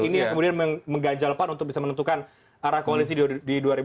ini yang kemudian mengganjal pan untuk bisa menentukan arah koalisi di dua ribu dua puluh